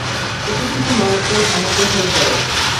এতে তিনি মারাত্মক আহত হয়ে পড়েন।